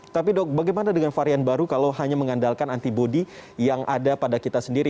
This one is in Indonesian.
tapi dok bagaimana dengan varian baru kalau hanya mengandalkan antibody yang ada pada kita sendiri